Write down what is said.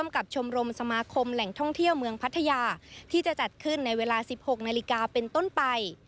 กับชมรมสมาคมแหล่งท่องเที่ยวเมืองพัทยาที่จะจัดขึ้นในเวลา๑๖นาฬิกาเป็นต้นไป